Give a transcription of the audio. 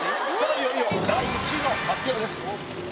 いよいよ第１位の発表です。